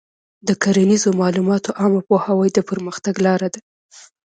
د کرنیزو معلوماتو عامه پوهاوی د پرمختګ لاره ده.